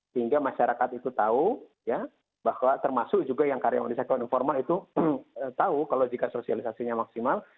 sehingga masyarakat itu tahu ya bahwa termasuk juga yang karyawan di sektor informal itu tahu kalau jika sosialisasinya maksimal